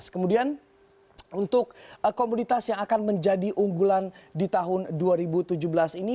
kemudian untuk komoditas yang akan menjadi unggulan di tahun dua ribu tujuh belas ini